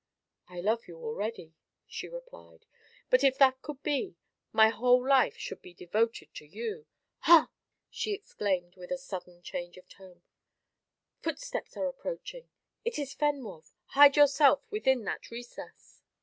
"I love you already," she replied; "but if that could be, my whole life should be devoted to you. Ha!" she exclaimed with a sudden change of tone, "footsteps are approaching; it is Fenwolf. Hide yourself within that recess."